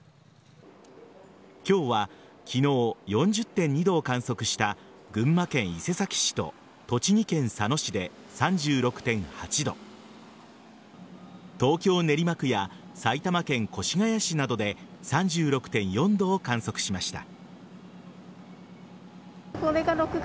今日は昨日、４０．２度を観測した群馬県伊勢崎市と栃木県佐野市で３６．８度東京・練馬区や埼玉県越谷市などで３６．４度を観測しました。